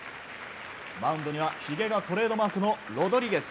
マウンドには、ひげがトレードマークのロドリゲス。